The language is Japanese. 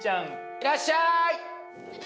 いらっしゃい！